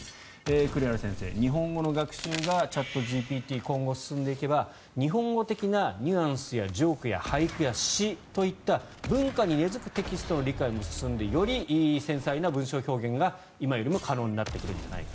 栗原先生、日本語の学習がチャットＧＰＴ今後進んでいけば日本語的なニュアンスやジョークや俳句や詩といった文化に根付くテキストの理解も進んでより繊細な文章表現が今よりも可能になってくるんじゃないか。